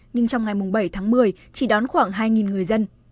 nhưng trong ngày bảy tháng một mươi chỉ đón khoảng hai người dân